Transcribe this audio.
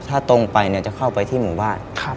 ถ้าตรงไปจะเข้าไปที่หมู่บ้าน